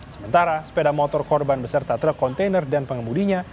sementara sepeda motor korban beserta truk kontainer dan pengemudinya